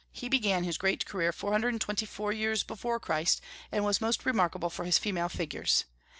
He began his great career four hundred and twenty four years before Christ, and was most remarkable for his female figures.